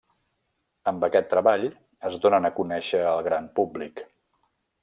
Amb aquest treball, es donen a conèixer al gran públic.